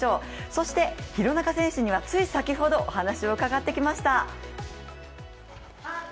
そして廣中選手にはつい先ほど、お話を伺ってきました。